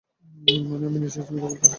মানে, আমি নিজেই নিজের জমি দখল করছি।